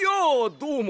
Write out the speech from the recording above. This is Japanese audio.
どうも！